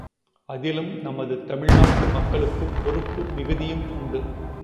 அதிலும் நமது தமிழ்நாட்டு மக்களுக்குப் பொறுப்பு மிகுதியும் உண்டு.